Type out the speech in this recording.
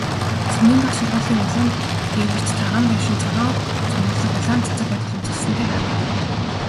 Сумын бага сургуулийн улаан дээвэрт цагаан байшин, цагаан цоморлог улаан цэцэг адил үзэсгэлэнтэй харагдана.